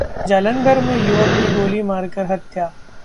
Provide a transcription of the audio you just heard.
जालंधर में युवक की गोली मारकर हत्या